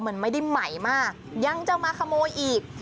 มันไม่ได้ใหม่มากยังจะมาขโมยอีก